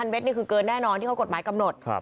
เมตรนี่คือเกินแน่นอนที่เขากฎหมายกำหนด